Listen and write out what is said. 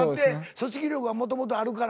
組織力はもともとあるから。